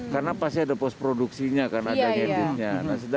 karena pasti ada post produksinya kan ada editnya